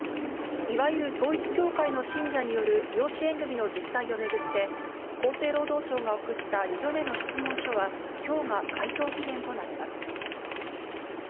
いわゆる統一教会の信者による養子縁組の実態を巡って、厚生労働省が送った２度目の質問書は、きょうが回答期限となります。